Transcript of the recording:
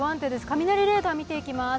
雷レーダー見ていきます。